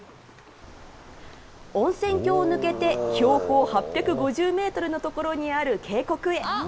温泉郷を抜けて、標高８５０メートルの所にある渓谷へ。